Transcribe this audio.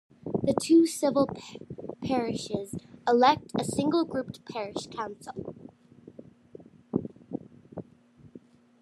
The two civil parishes elect a single grouped parish council.